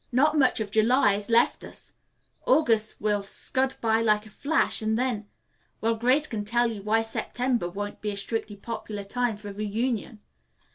Not much of July is left us. August will scud by like a flash and then Well, Grace can tell you why September won't be a strictly popular time for a reunion.